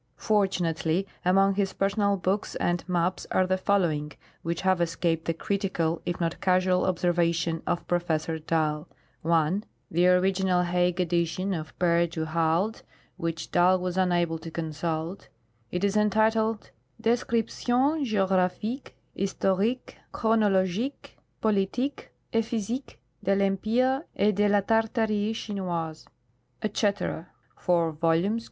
Fortunately, among his personal books and maps are the following, which have escaped the critical, if not casual, observation of Professor Dall : 1. The originalHague* edition of Pere du Halde, which Dall was unable to consult ; it is entitled " Description Geographique, Historique, Chronologique, Politique, et Physique de I'Empire et de la Tartaric Chinoise," etc. 4 vols.